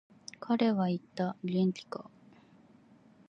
彼は言った、元気か。